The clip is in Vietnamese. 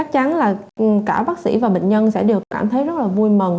đáng là cả bác sĩ và bệnh nhân sẽ đều cảm thấy rất là vui mừng